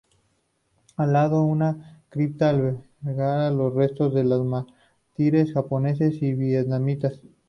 Al lado, una cripta alberga los restos de los mártires japoneses y vietnamitas.